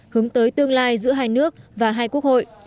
hướng tới tương lai giữa hai nước và hai quốc hội